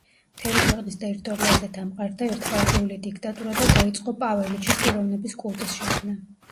მთელი ქვეყნის ტერიტორიაზე დამყარდა ერთპარტიული დიქტატურა და დაიწყო პაველიჩის პიროვნების კულტის შექმნა.